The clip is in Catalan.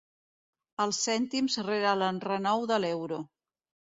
Els cèntims rere l'enrenou de l'euro.